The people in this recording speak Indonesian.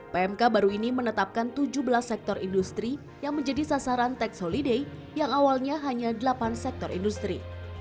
pmk baru ini menetapkan tujuh belas sektor industri yang menjadi sasaran tax holiday yang awalnya hanya delapan sektor industri